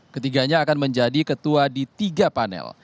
ketiganya akan menjadi ketua di tiga panel